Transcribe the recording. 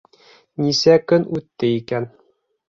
Нисә көн үтте икән...